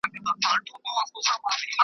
د بې پته مرګ په خوله کي به یې شپه وي .